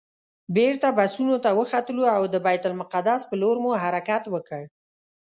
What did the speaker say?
بېرته بسونو ته وختلو او د بیت المقدس پر لور مو حرکت وکړ.